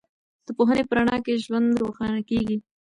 د پوهنې په رڼا کې ژوند روښانه کېږي.